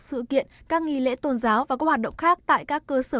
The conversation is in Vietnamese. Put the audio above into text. sự kiện các nghi lễ tôn giáo và các hoạt động khác tại các cơ sở